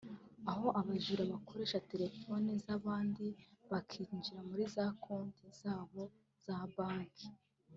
aho abajura bakoresha telefoni z’abandi bakinjira muri za konti zabo za banki